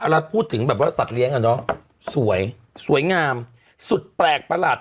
เราพูดถึงแบบว่าสัตว์เลี้ยงอ่ะเนอะสวยสวยงามสุดแปลกประหลาด